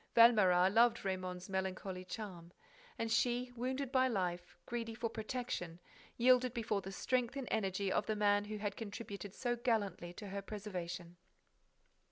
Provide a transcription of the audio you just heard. Valméras loved Raymonde's melancholy charm; and she, wounded by life, greedy for protection, yielded before the strength and energy of the man who had contributed so gallantly to her preservation.